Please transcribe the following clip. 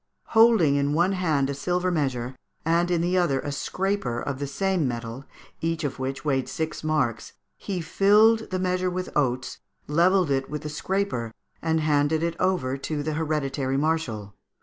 Holding in one hand a silver measure, and in the other a scraper of the same metal, each of which weighed six marks, he filled the measure with oats, levelled it with the scraper, and handed it over to the hereditary marshal.